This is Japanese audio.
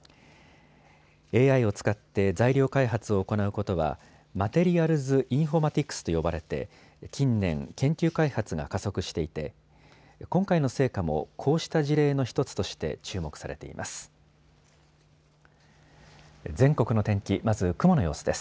ＡＩを使って材料開発を行うことはマテリアルズ・インフォマティクスと呼ばれて近年、研究開発が加速していて今回の成果も、こうした事例の１つとして注目されています。